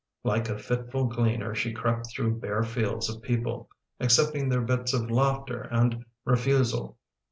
Like a fitful gleaner she crept through bare fields of people, accepting their bits of laughter and refusal.